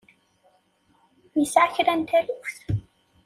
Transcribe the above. Yesɛa kra n taluft?